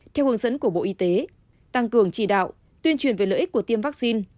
theo hướng dẫn của bộ y tế tăng cường chỉ đạo tuyên truyền về lợi ích của tiêm vaccine